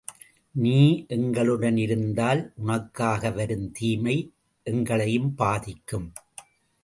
நீ எங்களுடன் இருந்தால், உனக்காக வரும் தீமை எங்களையும் பாதிக்கும்.